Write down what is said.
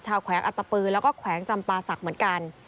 แขวงอัตตปือแล้วก็แขวงจำปาศักดิ์เหมือนกัน